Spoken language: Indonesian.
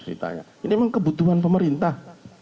ini memang kebutuhan pemerintah